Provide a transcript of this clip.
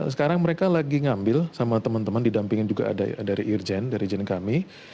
sekarang mereka lagi ngambil sama teman teman didampingin juga dari irjen dari irjen kami